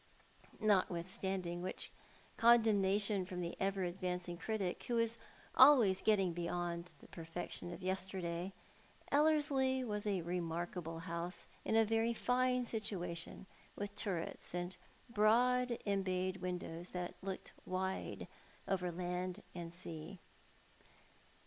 Notwithstanding which condemnation from the ever advancing critic, who is always getting beyond the perfection of yesterday, Ellerslie was a remarkable house in a very fine situation, with turrets and broad embayed windows that looked wide over land and sea.